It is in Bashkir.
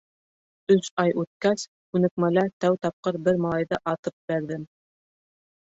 Өс ай үткәс, күнекмәлә тәү тапҡыр бер малайҙы атып бәрҙем.